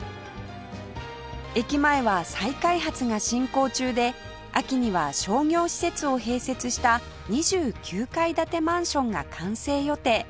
駅前は再開発が進行中で秋には商業施設を併設した２９階建てマンションが完成予定